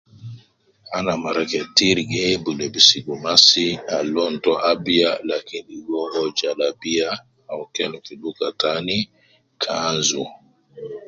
Ana mara ketir gi hibu lebis Gumas Al lon to abiya lakin logo uwo jalabiya au kelem fi luga taan kanzu.